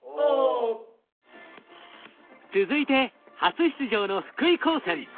続いて初出場の福井高専。